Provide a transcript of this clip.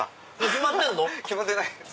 決まってないです。